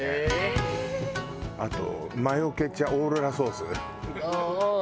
あとマヨケチャオーロラソースかけたりとか。